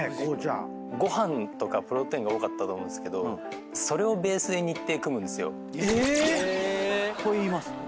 ご飯とかプロテインが多かったと思うんですけどそれをベースに日程組むんですよ。といいますと？